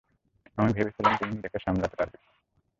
আমি ভেবেছিলাম তুই নিজেকে সামলাতে পারবি।